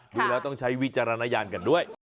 ดูแล้วต้องใช้วิจารณญาณกันด้วย